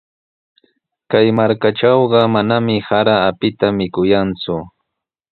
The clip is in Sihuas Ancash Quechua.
Kay markatrawqa manami sara apita mikuyanku.